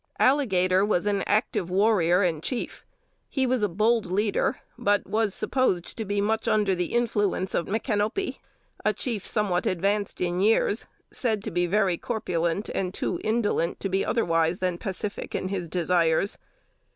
Alligator was an active warrior and chief. He was a bold leader; but was supposed to be much under the influence of Micanopy, a chief somewhat advanced in years, said to be very corpulent, and too indolent to be otherwise than pacific in his desires.